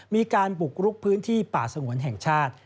มีการบุกรุกพื้นที่ป่าสงวนแห่งชาติ